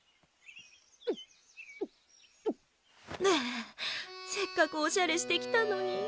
はあせっかくおしゃれして来たのに。